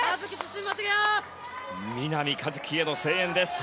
南一輝への声援です。